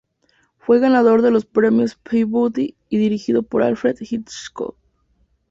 Fue ganador de los Premios Peabody y dirigido por Alfred Hitchcock.